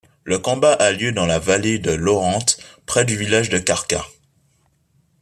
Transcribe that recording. Le combat a lieu dans la vallée de l'Oronte près du village de Karkar.